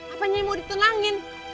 apanya yang mau ditenangin